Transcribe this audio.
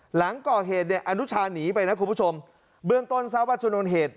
หลังก่อเหตุเนี่ยอนุชาหนีไปนะคุณผู้ชมเบื้องต้นทราบว่าชนวนเหตุ